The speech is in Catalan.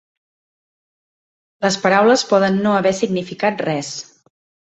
Les paraules poden no haver significat res.